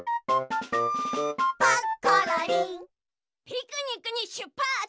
ピクニックにしゅっぱつ！